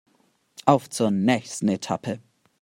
Auf zur nächsten Etappe!